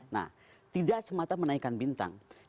nah tidak semata menaikkan bintang